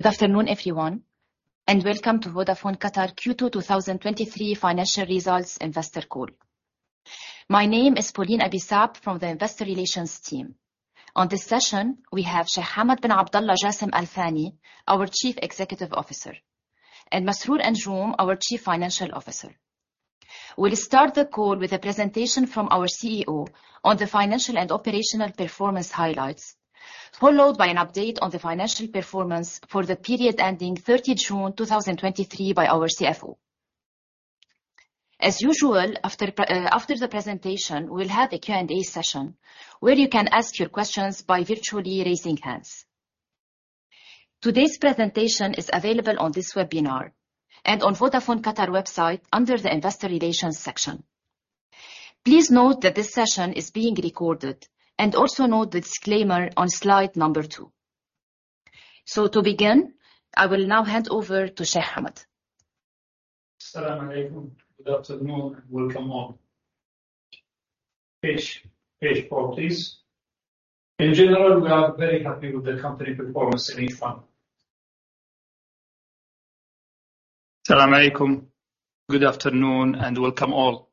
Good afternoon, everyone, and welcome to Vodafone Qatar Q2 2023 Financial Results Investor Call. My name is Pauline Abi Saab from the Investor Relations team. On this session, we have Sheikh Hamad Abdulla Jassim Al-Thani, our Chief Executive Officer, and Masroor Anjum, our Chief Financial Officer. We'll start the call with a presentation from our CEO on the financial and operational performance highlights, followed by an update on the financial performance for the period ending June 30, 2023 by our CFO. As usual, after the presentation, we'll have a Q&A session, where you can ask your questions by virtually raising hands. Today's presentation is available on this webinar and on Vodafone Qatar website under the Investor Relations section. Please note that this session is being recorded, and also note the disclaimer on slide number two. To begin, I will now hand over to Sheikh Hamad. Salam alaikum. Good afternoon, welcome all. Page four, please. In general, we are very happy with the company performance in H1. Salam alaikum. Good afternoon, and welcome all.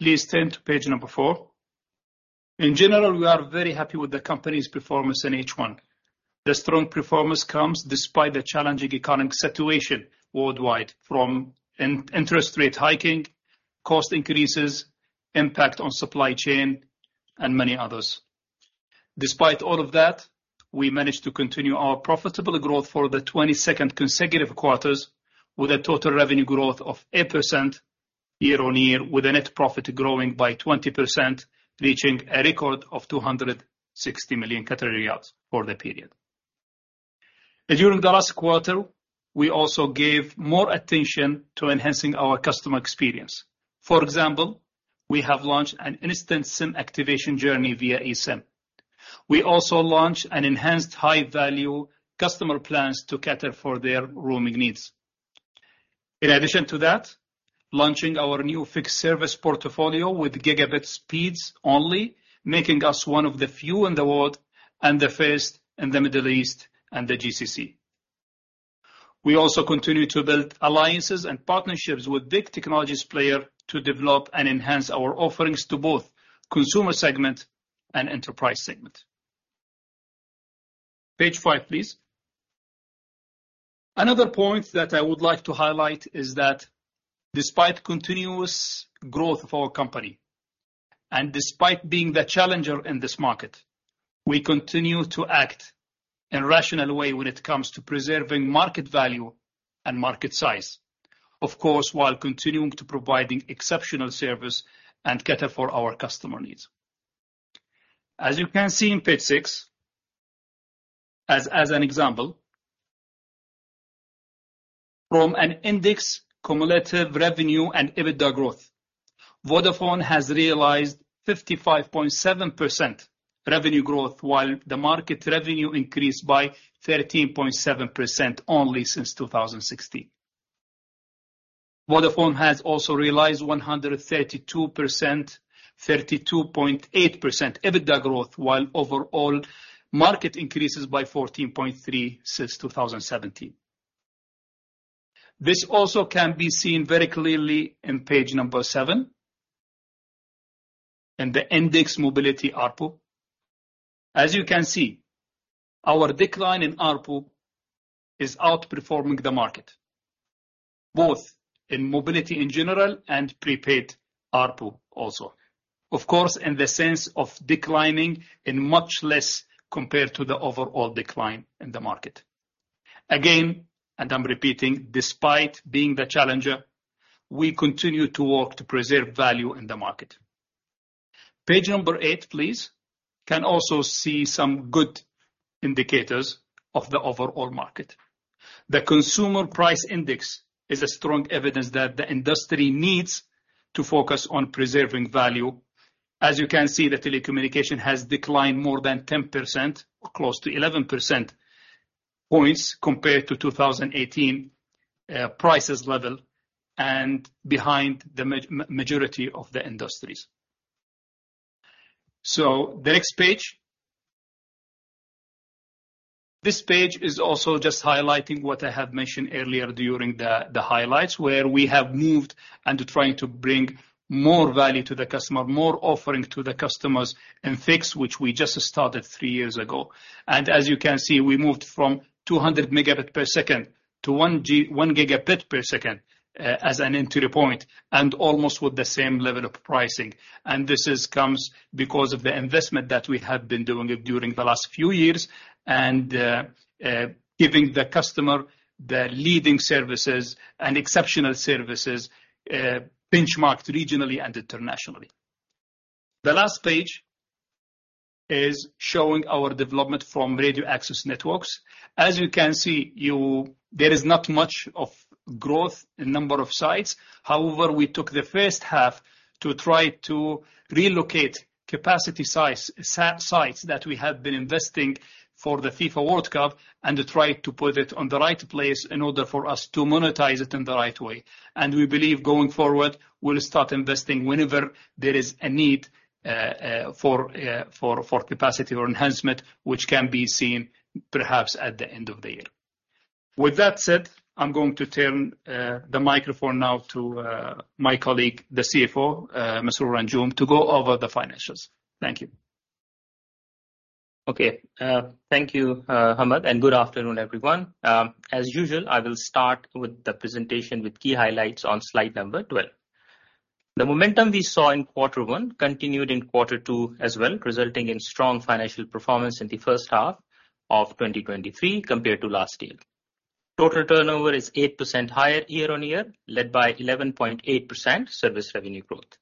Please turn to page number four. In general, we are very happy with the company's performance in H1. The strong performance comes despite the challenging economic situation worldwide, from interest rate hiking, cost increases, impact on supply chain, and many others. Despite all of that, we managed to continue our profitable growth for the 22nd consecutive quarters, with a total revenue growth of 8% year-on-year, with a net profit growing by 20%, reaching a record of 260 million Qatari riyals for the period. During the last quarter, we also gave more attention to enhancing our customer experience. For example, we have launched an instant SIM activation journey via eSIM. We also launched an enhanced high-value customer plans to cater for their roaming needs. In addition to that, launching our new fixed service portfolio with gigabit speeds only, making us one of the few in the world and the first in the Middle East and the GCC. We also continue to build alliances and partnerships with big technologies player to develop and enhance our offerings to both consumer segment and enterprise segment. Page five, please. Another point that I would like to highlight is that despite continuous growth of our company, and despite being the challenger in this market, we continue to act in a rational way when it comes to preserving market value and market size. Of course, while continuing to providing exceptional service and cater for our customer needs. As you can see in page six, as an example, from an index cumulative revenue and EBITDA growth, Vodafone has realized 55.7% revenue growth, while the market revenue increased by 13.7% only since 2016. Vodafone has also realized 132%, 32.8% EBITDA growth, while overall market increases by 14.3% since 2017. This also can be seen very clearly in page seven, in the Index Mobility ARPU. As you can see, our decline in ARPU is outperforming the market, both in mobility in general and prepaid ARPU also. Of course, in the sense of declining in much less compared to the overall decline in the market. I'm repeating, despite being the challenger, we continue to work to preserve value in the market. Page number eight, please, can also see some good indicators of the overall market. The Consumer Price Index is a strong evidence that the industry needs to focus on preserving value. As you can see, the telecommunication has declined more than 10%, or close to 11 percentage points compared to 2018 prices level and behind the majority of the industries. The next page. This page is also just highlighting what I have mentioned earlier during the highlights, where we have moved and trying to bring more value to the customer, more offering to the customers in fixed, which we just started three years ago. As you can see, we moved from 200 megabit per second to 1 Gb per second as an entry point, and almost with the same level of pricing. This is comes because of the investment that we have been doing it during the last few years and giving the customer the leading services and exceptional services, benchmarked regionally and internationally. The last page is showing our development from radio access networks. As you can see, there is not much of growth in number of sites. However, we took the first half to try to relocate capacity sites that we had been investing for the FIFA World Cup and try to put it on the right place in order for us to monetize it in the right way. We believe going forward, we'll start investing whenever there is a need for capacity or enhancement, which can be seen perhaps at the end of the year. With that said, I'm going to turn the microphone now to my colleague, the CFO, Mr. Anjum, to go over the financials. Thank you. Okay, thank you, Hamad, and good afternoon, everyone. As usual, I will start with the presentation with key highlights on slide number 12. The momentum we saw in quarter one continued in quarter two as well, resulting in strong financial performance in the first half of 2023 compared to last year. Total turnover is 8% higher year-on-year, led by 11.8% service revenue growth.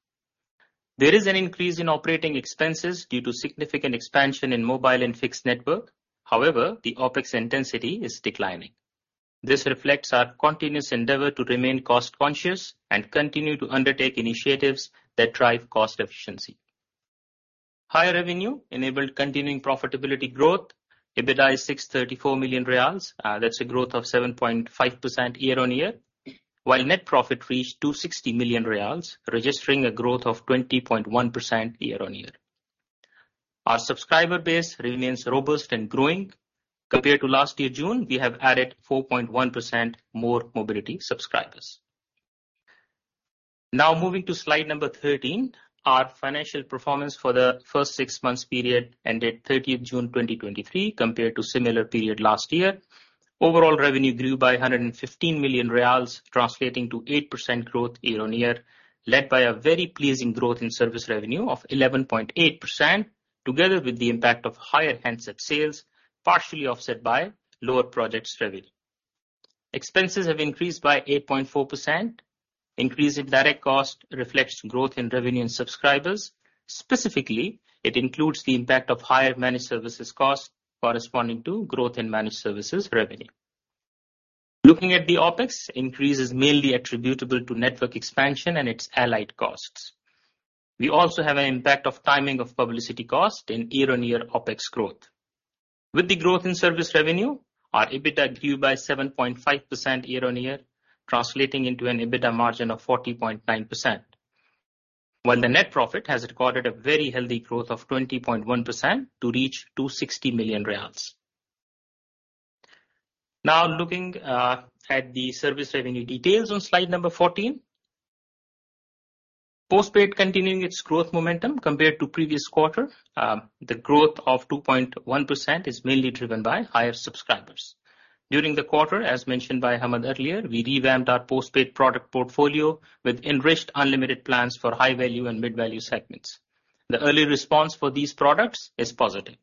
There is an increase in operating expenses due to significant expansion in mobile and fixed network. However, the OpEx intensity is declining. This reflects our continuous endeavor to remain cost-conscious and continue to undertake initiatives that drive cost efficiency. Higher revenue enabled continuing profitability growth. EBITDA is QAR 634 million, that's a growth of 7.5% year-on-year, while net profit reached 260 million riyals, registering a growth of 20.1% year-on-year. Our subscriber base remains robust and growing. Compared to last year, June, we have added 4.1% more mobility subscribers. Now moving to slide number 13, our financial performance for the first six months period ended 30th June 2023, compared to similar period last year. Overall revenue grew by QAR 115 million, translating to 8% growth year-on-year, led by a very pleasing growth in service revenue of 11.8%, together with the impact of higher handset sales, partially offset by lower projects revenue. Expenses have increased by 8.4%. Increase in direct cost reflects growth in revenue and subscribers. Specifically, it includes the impact of higher managed services costs corresponding to growth in managed services revenue. Looking at the OpEx, increase is mainly attributable to network expansion and its allied costs. We also have an impact of timing of publicity cost in year-on-year OpEx growth. With the growth in service revenue, our EBITDA grew by 7.5% year-on-year, translating into an EBITDA margin of 40.9%, while the net profit has recorded a very healthy growth of 20.1% to reach 260 million riyals. Looking at the service revenue details on slide number 14. Postpaid continuing its growth momentum compared to previous quarter, the growth of 2.1% is mainly driven by higher subscribers. During the quarter, as mentioned by Hamad earlier, we revamped our postpaid product portfolio with enriched unlimited plans for high-value and mid-value segments. The early response for these products is positive.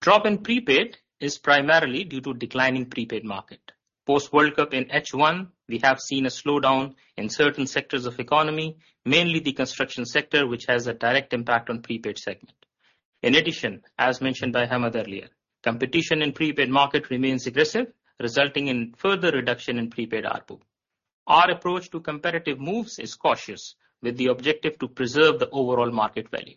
Drop in prepaid is primarily due to declining prepaid market. Post World Cup in H1, we have seen a slowdown in certain sectors of economy, mainly the construction sector, which has a direct impact on prepaid segment. As mentioned by Hamad earlier, competition in prepaid market remains aggressive, resulting in further reduction in prepaid ARPU. Our approach to competitive moves is cautious, with the objective to preserve the overall market value.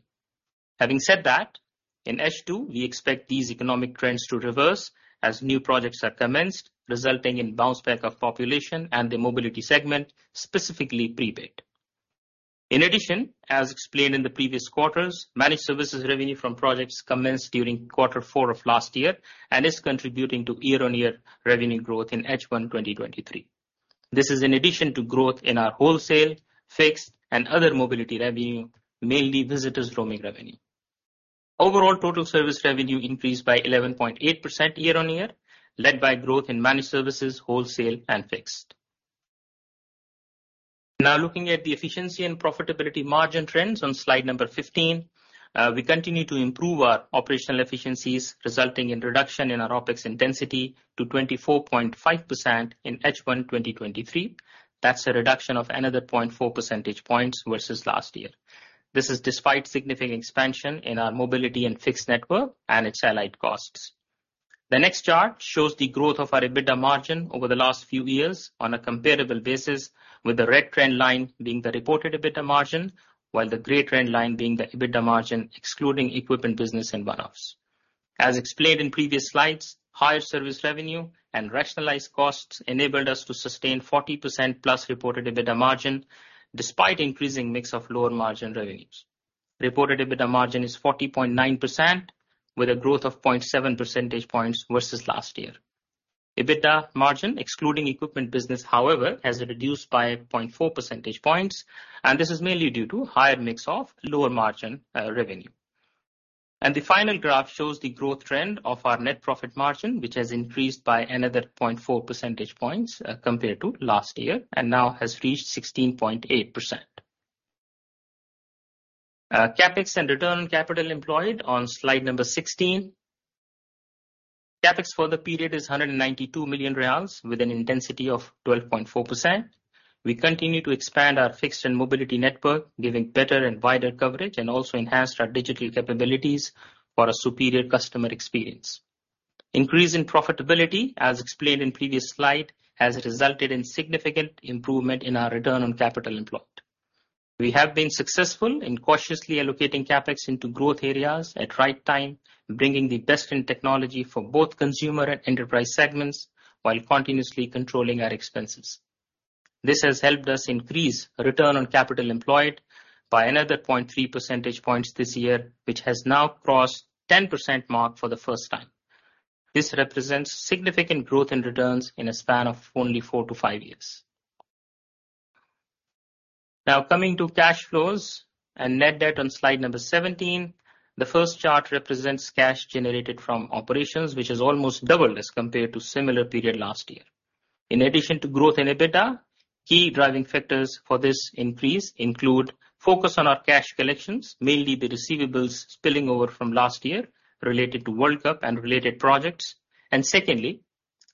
Having said that, in H2, we expect these economic trends to reverse as new projects are commenced, resulting in bounce back of population and the mobility segment, specifically prepaid. As explained in the previous quarters, managed services revenue from projects commenced during quarter four of last year and is contributing to year-on-year revenue growth in H1, 2023. This is in addition to growth in our wholesale, fixed, and other mobility revenue, mainly visitors roaming revenue. Overall, total service revenue increased by 11.8% year-on-year, led by growth in managed services, wholesale, and fixed. Looking at the efficiency and profitability margin trends on slide number 15. We continue to improve our operational efficiencies, resulting in reduction in our OpEx intensity to 24.5% in H1 2023. That's a reduction of another 0.4 percentage points versus last year. This is despite significant expansion in our mobility and fixed network and its allied costs. The next chart shows the growth of our EBITDA margin over the last few years on a comparable basis, with the red trend line being the reported EBITDA margin, while the gray trend line being the EBITDA margin, excluding equipment, business, and one-offs. As explained in previous slides, higher service revenue and rationalized costs enabled us to sustain 40% plus reported EBITDA margin, despite increasing mix of lower margin revenues. Reported EBITDA margin is 40.9%, with a growth of 0.7 percentage points versus last year. EBITDA margin, excluding equipment business, however, has reduced by 0.4percentage points. This is mainly due to higher mix of lower margin revenue. The final graph shows the growth trend of our net profit margin, which has increased by another 0.4 percentage points compared to last year, now has reached 16.8%. CapEx and return on capital employed on slide number 16. CapEx for the period is 192 million riyals, with an intensity of 12.4%. We continue to expand our fixed and mobility network, giving better and wider coverage, and also enhanced our digital capabilities for a superior customer experience. Increase in profitability, as explained in previous slide, has resulted in significant improvement in our return on capital employed. We have been successful in cautiously allocating CapEx into growth areas at right time, bringing the best in technology for both consumer and enterprise segments, while continuously controlling our expenses. This has helped us increase return on capital employed by another 0.3 percentage points this year, which has now crossed 10% mark for the first time. This represents significant growth in returns in a span of only four-five years. Coming to cash flows and net debt on slide number 17, the first chart represents cash generated from operations, which has almost doubled as compared to similar period last year. In addition to growth in EBITDA, key driving factors for this increase include focus on our cash collections, mainly the receivables spilling over from last year related to World Cup and related projects. Secondly,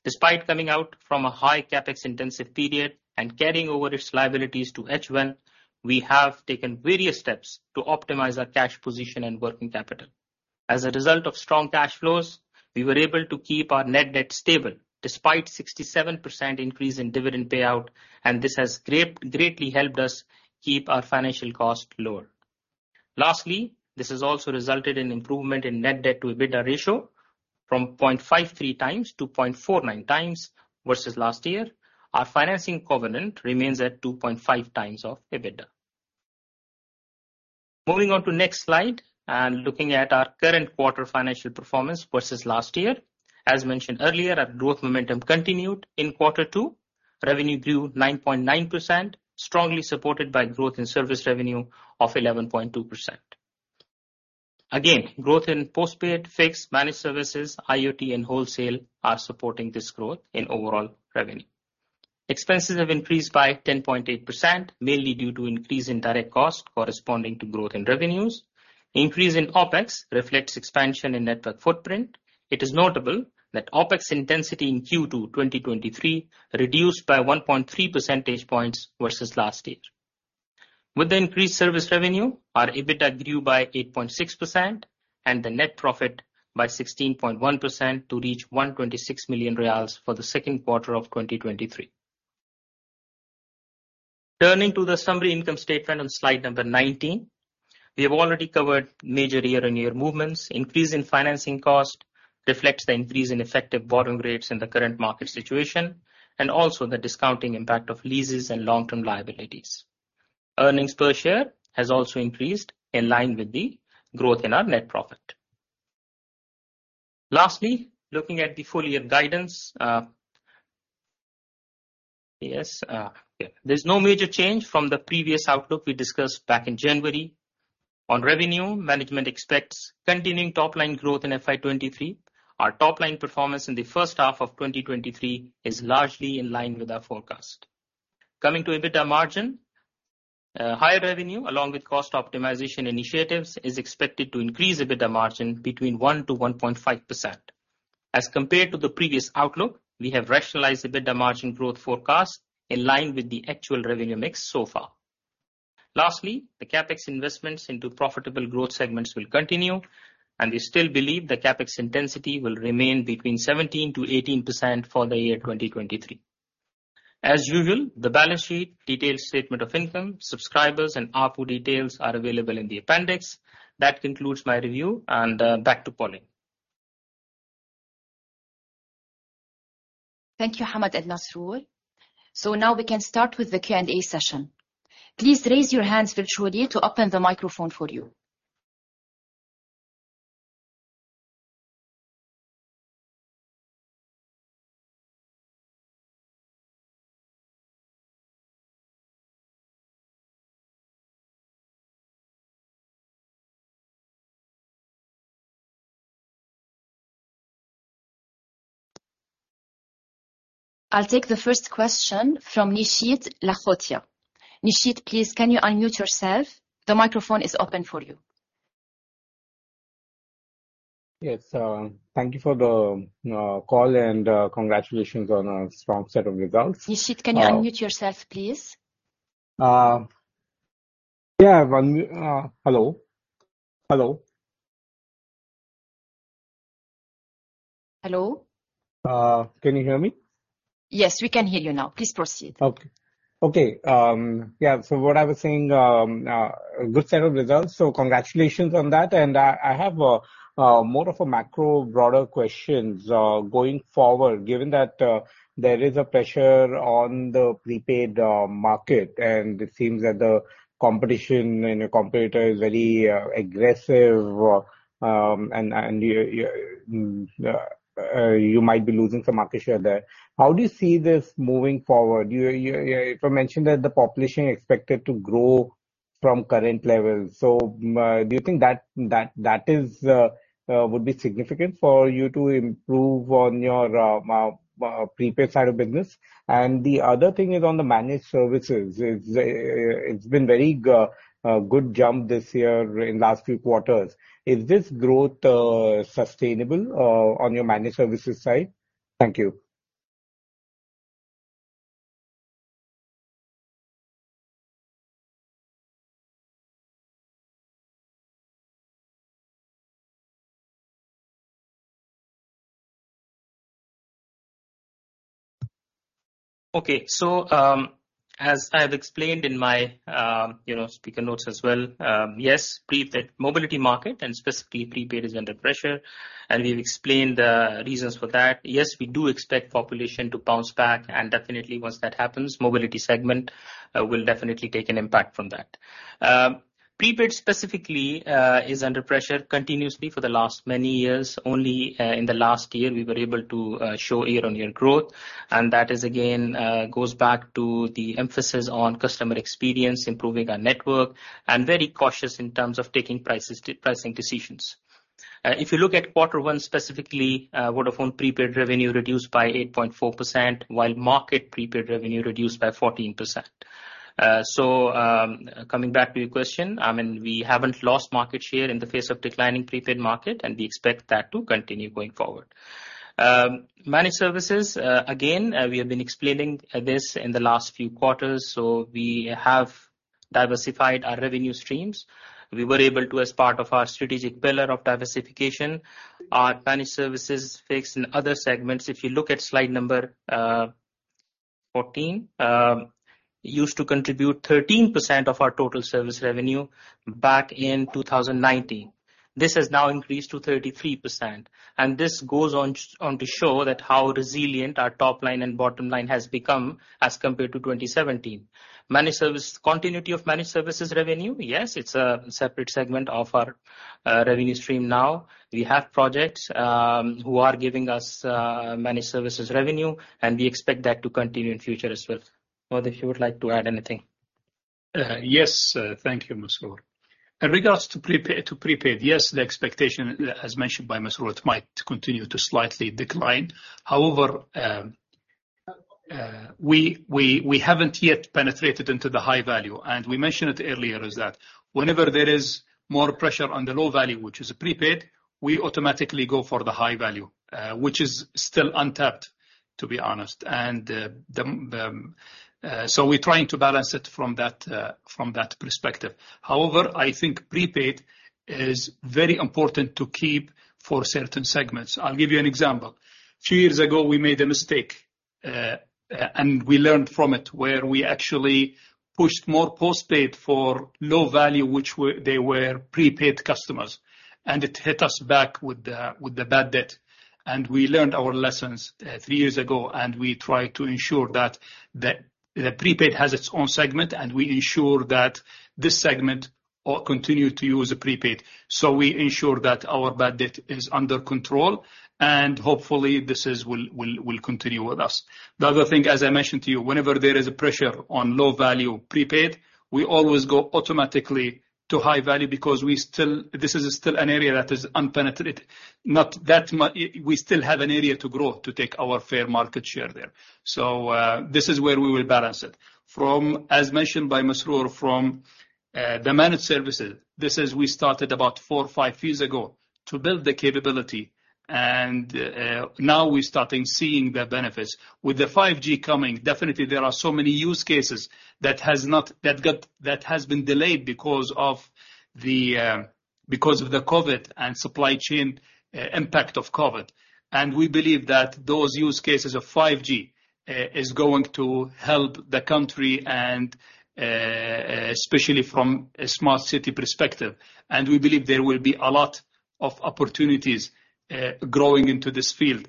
despite coming out from a high CapEx intensive period and carrying over its liabilities to H1, we have taken various steps to optimize our cash position and working capital. As a result of strong cash flows, we were able to keep our net debt stable despite 67% increase in dividend payout. This has greatly helped us keep our financial cost lower. Lastly, this has also resulted in improvement in net debt to EBITDA ratio from 0.53 times to 0.49 times versus last year. Our financing covenant remains at 2.5 times of EBITDA. Moving on to next slide, looking at our current quarter financial performance versus last year. As mentioned earlier, our growth momentum continued in quarter two. Revenue grew 9.9%, strongly supported by growth in service revenue of 11.2%. Growth in postpaid, fixed, managed services, IoT, and wholesale are supporting this growth in overall revenue. Expenses have increased by 10.8%, mainly due to increase in direct costs corresponding to growth in revenues. Increase in OpEx reflects expansion in network footprint. It is notable that OpEx intensity in Q2, 2023 reduced by 1.3 percentage points versus last year. With the increased service revenue, our EBITDA grew by 8.6% and the net profit by 16.1% to reach 126 million riyals for the second quarter of 2023. Turning to the summary income statement on slide number 19, we have already covered major year-on-year movements. Increase in financing cost reflects the increase in effective bottom rates in the current market situation, and also the discounting impact of leases and long-term liabilities. Earnings per share has also increased in line with the growth in our net profit. Lastly, looking at the full year guidance. Yes, yeah. There's no major change from the previous outlook we discussed back in January. On revenue, management expects continuing top-line growth in Fiscal Year 2023. Our top-line performance in the first half of 2023 is largely in line with our forecast. Coming to EBITDA margin, higher revenue, along with cost optimization initiatives, is expected to increase EBITDA margin between 1%-1.5%. As compared to the previous outlook, we have rationalized EBITDA margin growth forecast in line with the actual revenue mix so far. Lastly, the CapEx investments into profitable growth segments will continue, and we still believe the CapEx intensity will remain between 17%-18% for the year 2023. As usual, the balance sheet, detailed statement of income, subscribers, and ARPU details are available in the appendix. That concludes my review, and back to Pauline. Thank you, Hamad Abdulla Jassim Al-Thani. Now we can start with the Q&A session. Please raise your hands virtually to open the microphone for you. I'll take the first question from Nishit Lakhotia. Nishit, please can you unmute yourself? The microphone is open for you. Yes, thank you for the call, and congratulations on a strong set of results. Nishit, can you unmute yourself, please? Hello? Hello? Can you hear me? Yes, we can hear you now. Please proceed. Okay. Okay, yeah, so what I was saying, good set of results, so congratulations on that. I have more of a macro broader questions. Going forward, given that there is a pressure on the prepaid market, and it seems that the competition and your competitor is very aggressive, and you might be losing some market share there. How do you see this moving forward? You mentioned that the population is expected to grow from current levels. Do you think that that is significant for you to improve on your prepaid side of business? The other thing is on the managed services. It's been very good jump this year in last few quarters. Is this growth sustainable on your managed services side? Thank you. Okay. As I have explained in my, you know, speaker notes as well, yes, pre- mobile market and specifically prepaid is under pressure, and we've explained the reasons for that. Yes, we do expect population to bounce back, and definitely once that happens, mobility segment will definitely take an impact from that. Prepaid specifically is under pressure continuously for the last many years. Only in the last year, we were able to show year-on-year growth, and that is again, goes back to the emphasis on customer experience, improving our network, and very cautious in terms of taking prices, pricing decisions. If you look at quarter one, specifically, Vodafone prepaid revenue reduced by 8.4%, while market prepaid revenue reduced by 14%. Coming back to your question, I mean, we haven't lost market share in the face of declining prepaid market. We expect that to continue going forward. Managed services, again, we have been explaining this in the last few quarters. We have diversified our revenue streams. We were able to, as part of our strategic pillar of diversification, our managed services fixed in other segments. If you look at slide number 14, it used to contribute 13% of our total service revenue back in 2019. This has now increased to 33%. This goes on to show that how resilient our top line and bottom line has become as compared to 2017. Managed services continuity of managed services revenue, yes, it's a separate segment of our revenue stream now. We have projects, who are giving us, managed services revenue, and we expect that to continue in future as well. Hamad, if you would like to add anything? Yes, thank you, Masroor. In regards to prepaid, yes, the expectation, as mentioned by Masroor, it might continue to slightly decline. However, we haven't yet penetrated into the high value, and we mentioned it earlier, is that whenever there is more pressure on the low value, which is prepaid, we automatically go for the high value, which is still untapped, to be honest. We're trying to balance it from that perspective. However, I think prepaid is very important to keep for certain segments. I'll give you an example. two years ago, we made a mistake, and we learned from it, where we actually pushed more postpaid for low value, they were prepaid customers, and it hit us back with the bad debt. We learned our lessons three years ago, we try to ensure that the prepaid has its own segment, we ensure that this segment all continue to use the prepaid. We ensure that our bad debt is under control, hopefully this is, will continue with us. The other thing, as I mentioned to you, whenever there is a pressure on low-value prepaid, we always go automatically to high value because this is still an area that is unpenetrated. Not that much. We still have an area to grow, to take our fair market share there. This is where we will balance it. From, as mentioned by Masroor, from the managed services, this is we started about four or five years ago to build the capability, now we're starting seeing the benefits. With the 5G coming, definitely there are so many use cases that has been delayed because of the because of the COVID and supply chain impact of COVID. We believe that those use cases of 5G is going to help the country and especially from a smart city perspective. We believe there will be a lot of opportunities growing into this field.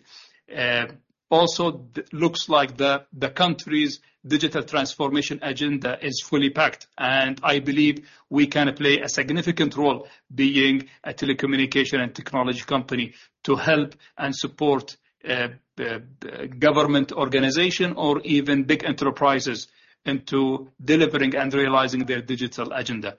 Also, looks like the country's digital transformation agenda is fully packed, and I believe we can play a significant role being a telecommunication and technology company, to help and support the government organization or even big enterprises into delivering and realizing their digital agenda.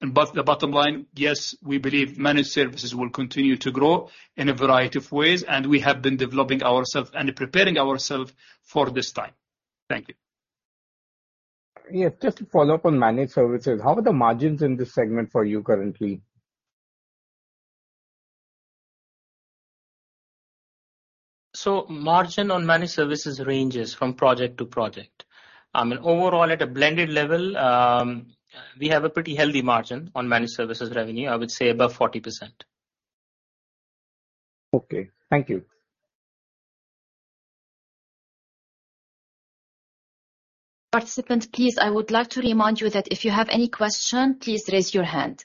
The bottom line, yes, we believe managed services will continue to grow in a variety of ways, and we have been developing ourself and preparing ourself for this time. Thank you. Yes, just to follow up on managed services, how are the margins in this segment for you currently? Margin on managed services ranges from project to project. Overall, at a blended level, we have a pretty healthy margin on managed services revenue. I would say above 40%. Okay, thank you. Participant, please, I would like to remind you that if you have any question, please raise your hand.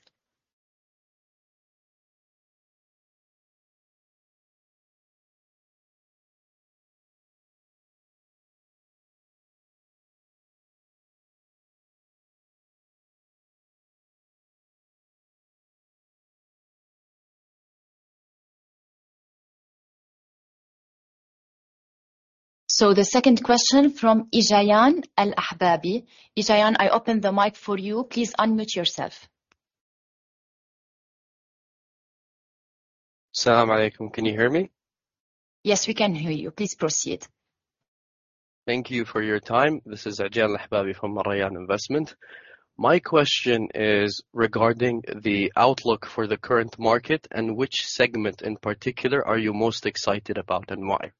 The second question from Ejayan Al-Ahbabi. Ejayan, I open the mic for you. Please unmute yourself. Asalam alaikum. Can you hear me? Yes, we can hear you. Please proceed. Thank you for your time. This is Ejayan Al-Ahbabi from Al Rayan Investment. My question is regarding the outlook for the current market and which segment in particular are you most excited about, and why?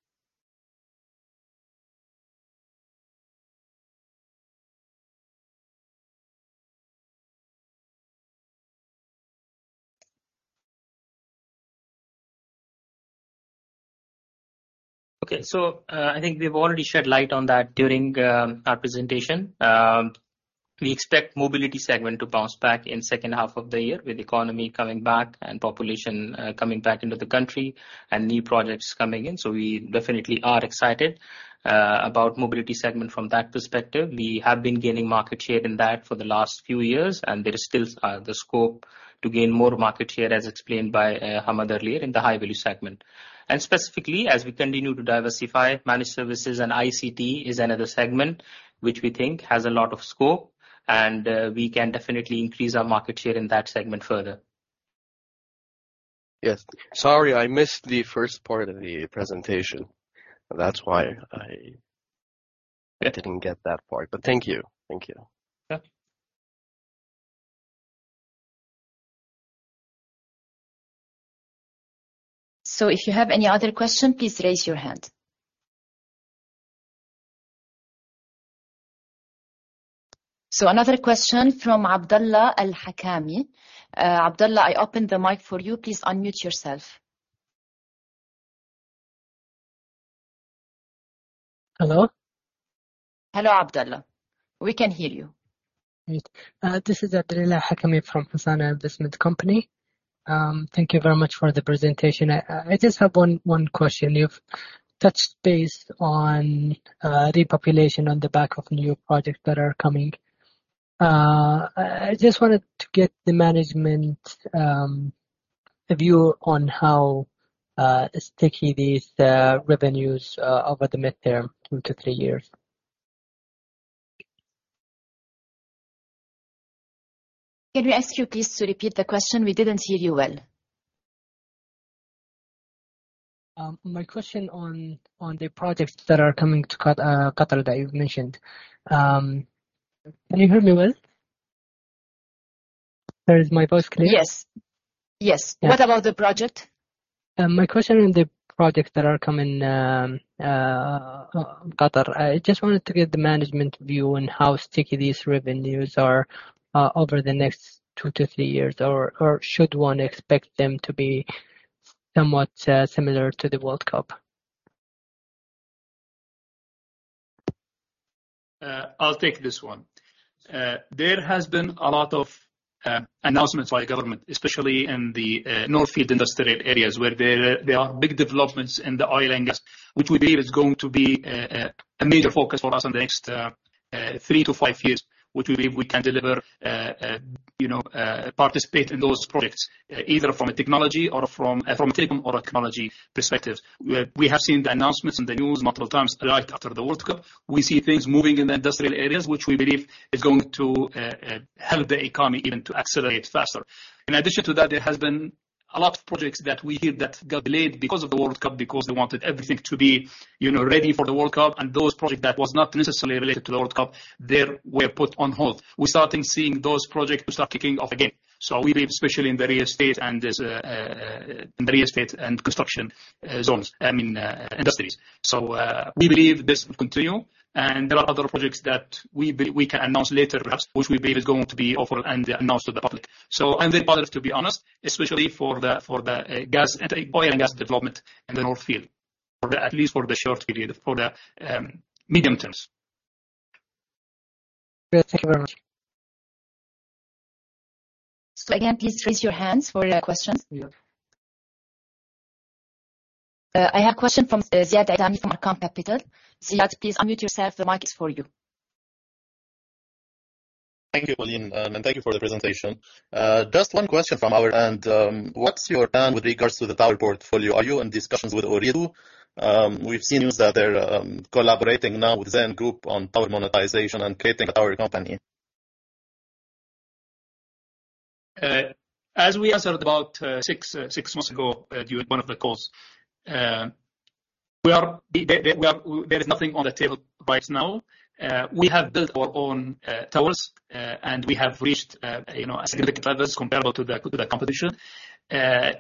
Okay, I think we've already shed light on that during our presentation. We expect mobility segment to bounce back in second half of the year, with the economy coming back and population coming back into the country and new projects coming in. We definitely are excited about mobility segment from that perspective. We have been gaining market share in that for the last few years, and there is still the scope to gain more market share, as explained by Hamad earlier in the high-value segment. Specifically, as we continue to diversify, managed services and ICT is another segment which we think has a lot of scope, and we can definitely increase our market share in that segment further. Yes. Sorry, I missed the first part of the presentation. That's why I didn't get that part, but thank you. Thank you. Yeah. If you have any other question, please raise your hand. Another question from Abdallah Al-Hakami. Abdallah, I open the mic for you. Please unmute yourself. Hello? Hello, Abdallah. We can hear you. Great. This is Abdallah Al-Hakami from Hassana Investment Company. Thank you very much for the presentation. I just have one question. You've touched base on the population on the back of new projects that are coming. I just wanted to get the management view on how sticky these revenues over the midterm, two-three years. Can we ask you please to repeat the question? We didn't hear you well. My question on the projects that are coming to Qatar, that you've mentioned. Can you hear me well? Is my voice clear? Yes. Yes. Yeah. What about the project? my question on the projects that are coming, Qatar. I just wanted to get the management view on how sticky these revenues are over the next two-three years. Should one expect them to be somewhat similar to the World Cup? I'll take this one. There has been a lot of announcements by the government, especially in the North Field industrial areas, where there are big developments in the oil and gas, which we believe is going to be a major focus for us in the next three to five years, which we believe we can deliver, you know, participate in those projects, either from a technology or from a technology perspective. We have seen the announcements in the news multiple times, right after the World Cup. We see things moving in the industrial areas, which we believe is going to help the economy even to accelerate faster. In addition to that, there has been a lot of projects that we hear that got delayed because of the FIFA World Cup, because they wanted everything to be, you know, ready for the FIFA World Cup. Those projects that was not necessarily related to the FIFA World Cup, they were put on hold. We're starting seeing those projects to start kicking off again. We believe, especially in the real estate and this in the real estate and construction zones, I mean, industries. We believe this will continue, and there are other projects that we can announce later, perhaps, which we believe is going to be offered and announced to the public. I'm very positive, to be honest, especially for the gas and oil and gas development in the North Field. For the, at least for the short period, for the, medium terms. Great. Thank you very much. Again, please raise your hands for your questions. Yeah. I have a question from Ziad Itani from Arqaam Capital. Ziad, please unmute yourself. The mic is for you. Thank you, Pauline. Thank you for the presentation. Just one question from our end. What's your plan with regards to the tower portfolio? Are you in discussions with Ooredoo? We've seen news that they're collaborating now with Zain Group on tower monetization and creating a tower company. As we answered about six months ago, during one of the calls, there is nothing on the table right now. We have built our own towers, and we have reached, you know, significant levels comparable to the competition.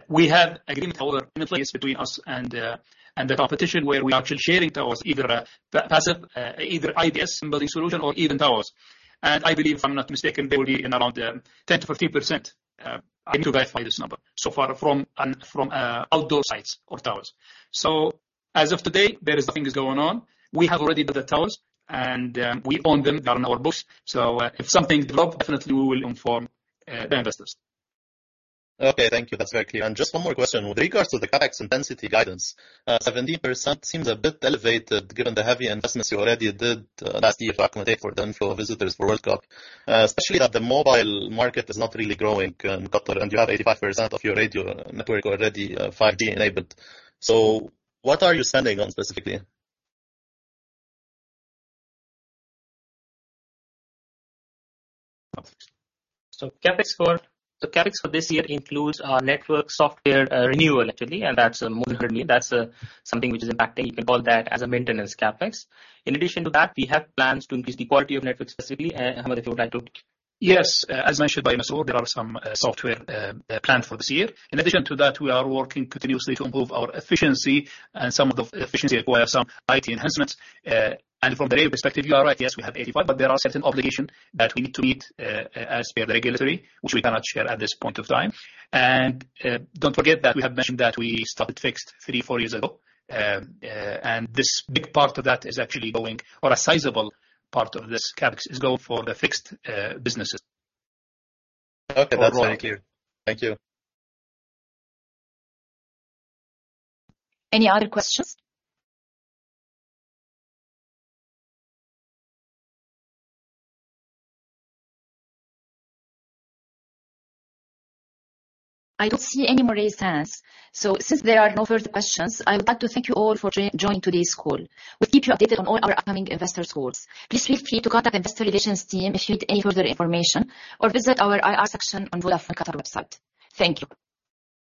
We have agreement, however, between us and the competition, where we are actually sharing towers, either passive, either IBS building solution or even towers. I believe, if I'm not mistaken, they will be in around 10%-15%. I need to verify this number, so far from outdoor sites or towers. As of today, there is nothing is going on. We have already built the towers, and we own them. They are on our books, so, if something develop, definitely we will inform, the investors. Okay, thank you. That's very clear. Just one more question: With regards to the CapEx intensity guidance, 17% seems a bit elevated given the heavy investments you already did last year to accommodate for the inflow of visitors for World Cup, especially that the mobile market is not really growing in Qatar, and you have 85% of your radio network already 5G-enabled. What are you standing on specifically? CapEx for this year includes our network software, renewal, actually, and that's more than in QAR 100 million. That's something which is impacting. You can call that as a maintenance CapEx. In addition to that, we have plans to increase the quality of network specifically. Hamad, if you would like to. Yes, as mentioned by Masroor, there are some software planned for this year. In addition to that, we are working continuously to improve our efficiency, and some of the efficiency require some IT enhancements. From the radio perspective, you are right. Yes, we have 85, but there are certain obligations that we need to meet as per the regulatory, which we cannot share at this point of time. Don't forget that we have mentioned that we started fixed three- four years ago. This big part of that is actually or a sizable part of this CapEx is going for the fixed businesses. Okay. That's all. Thank you. Thank you. Any other questions? I don't see any more raised hands. Since there are no further questions, I would like to thank you all for joining today's call. We'll keep you updated on all our upcoming investor calls. Please feel free to contact the investor relations team if you need any further information, or visit our IR section on Vodafone Qatar website. Thank you.